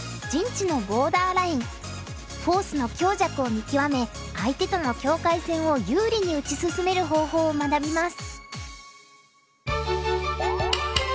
フォースの強弱を見極め相手との境界線を有利に打ち進める方法を学びます。